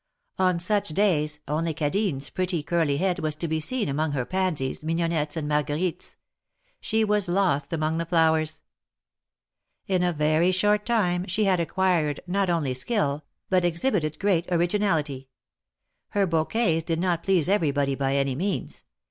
On such days, only Cadine's pretty, curly head was to be seen among her pansies, mignonettes and Marguerites; she was lost among the flowers. In a very short time she had acquired not only skill, but exhibited great originality. Her bouquets did not please everybody by any means.